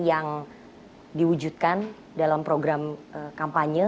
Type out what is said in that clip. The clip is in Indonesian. yang diwujudkan dalam program kampanye